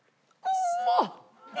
うまっ！